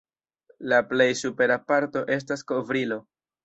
La plej supera parto estas kovrilo.